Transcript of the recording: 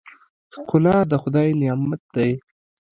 ښکلا د خدای نعمت دی.